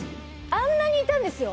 あんなにいたんですよ？